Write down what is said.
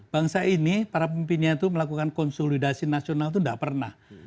bangsa ini para pemimpinnya itu melakukan konsolidasi nasional itu tidak pernah